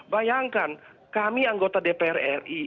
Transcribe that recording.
bayangkan kami anggota dpr ri